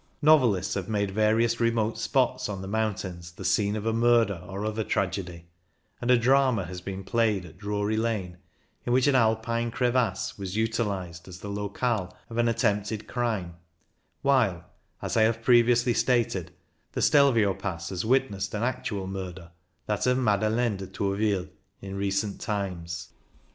Novelists have made various remote spots on the mountains the scene of a murder or other tragedy, and a drama has been played at Drury Lane in which an Alpine crevasse was utilised as the locale of an attempted crime, while, as I have previously stated, the Stelvio Pass has witnessed an actual murder, that of Madeleine de Tourville, in recent times.